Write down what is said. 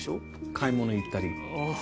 買い物行ったり。